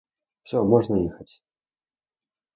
Всё, можно ехать!